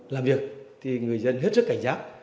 làm việc thì người dân hết sức cảnh giác